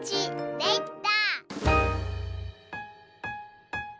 できた！